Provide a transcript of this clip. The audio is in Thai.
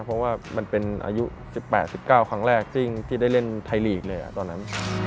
เพราะว่ามันเป็นอายุ๑๘๑๙ครั้งแรกที่ได้เล่นไทยลีกเลยตอนนั้น